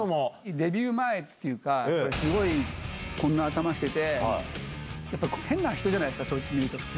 デビュー前っていうか、すごいこんな頭してて、やっぱり変な人じゃないですか、見ると、普通。